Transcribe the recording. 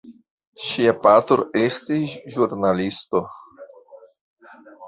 Ŝia patro estis ĵurnalisto.